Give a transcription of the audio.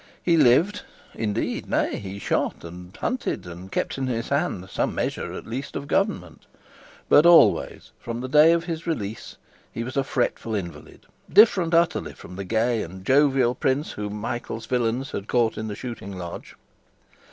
He lived, indeed; nay, he shot and hunted, and kept in his hand some measure, at least, of government. But always from the day of his release he was a fretful invalid, different utterly from the gay and jovial prince whom Michael's villains had caught in the shooting lodge.